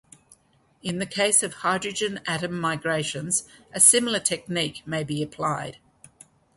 In the case of hydrogen atom migrations, a similar technique may be applied.